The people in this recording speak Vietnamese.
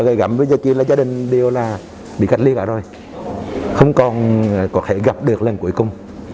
gây gặp với gia đình là gia đình đều là bị cách ly cả rồi không còn có thể gặp được lần cuối cùng